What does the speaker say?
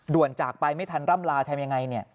ด่วนจากไปไม่ทันร่ำลาแทนยังไง